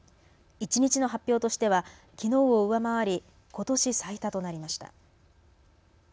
一日の発表としては、きのうを上回り、ことし最多となりました。